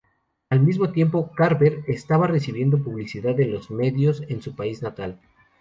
Al mismo tiempo, Carver estaba recibiendo publicidad en los medios en su país natal.